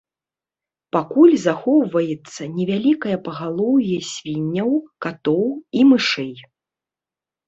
Пакуль захоўваецца невялікае пагалоўе свінняў, катоў і мышэй.